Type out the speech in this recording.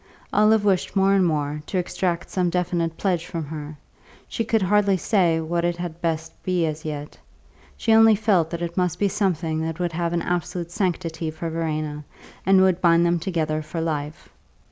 Olive wished more and more to extract some definite pledge from her; she could hardly say what it had best be as yet; she only felt that it must be something that would have an absolute sanctity for Verena and would bind them together for life.